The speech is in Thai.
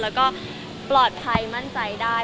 แล้วก็ปลอดภัยมั่นใจได้